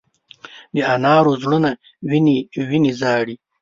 د انارو زړونه وینې، وینې ژاړې